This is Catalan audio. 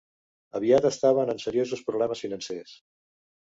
Aviat estaven en seriosos problemes financers.